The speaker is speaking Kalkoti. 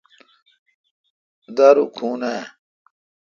دارو کھون اے°۔